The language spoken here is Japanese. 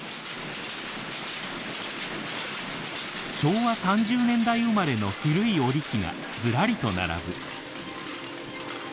昭和３０年代生まれの古い織り機がずらりと並ぶ。